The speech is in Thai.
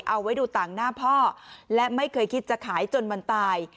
เอาไว้ดูต่างหน้าพ่อและไม่เคยคิดจะขายจนมันตาย